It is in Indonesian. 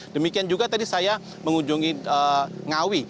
demikian juga tadi saya mengunjungi ngawi